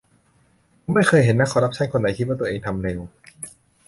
ผมไม่เคยเห็นนักคอร์รัปชันคนไหนคิดว่าตัวเองทำเลว